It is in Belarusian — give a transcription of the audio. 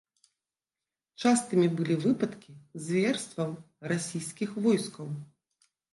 Частымі былі выпадкі зверстваў расійскіх войскаў.